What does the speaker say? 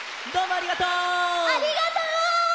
ありがとう！